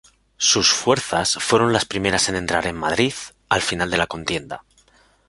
Sus fuerzas fueron las primeras en entrar en Madrid, al final de la contienda.